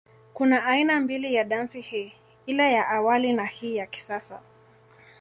Kuna aina mbili ya dansi hii, ile ya awali na ya hii ya kisasa.